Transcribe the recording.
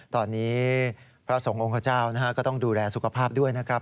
ตอนนี้พระสงฆ์องค์ขเจ้าก็ต้องดูแลสุขภาพด้วยนะครับ